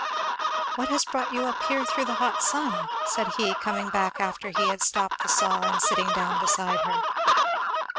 "What has brought you up here through the hot sun?" said he, coming back after he had stopped the saw, and sitting down beside her.